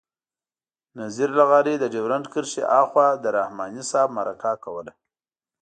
نذیر لغاري د ډیورنډ کرښې آخوا له رحماني صاحب مرکه کوله.